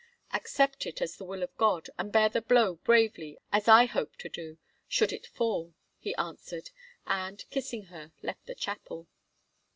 "Accept it as the will of God, and bear the blow bravely, as I hope to do, should it fall," he answered, and, kissing her, left the chapel.